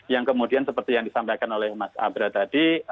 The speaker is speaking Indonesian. yang kemudian seperti yang disampaikan oleh mas abra tadi